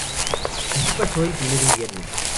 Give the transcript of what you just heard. Allí pasó el primer invierno.